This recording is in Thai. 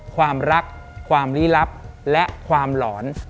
ความรักความลี้ลับและความหลอน